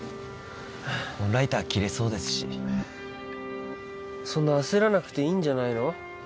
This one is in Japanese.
もうライター切れそうですしそんな焦らなくていいんじゃないの？